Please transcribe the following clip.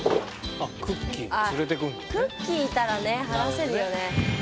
ああクッキーいたらね話せるよね。